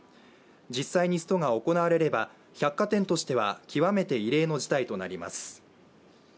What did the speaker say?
実際にストが行われれば百貨店としては極めて異例の事態となります。